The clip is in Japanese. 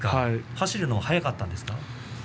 走るのが速かったんですか？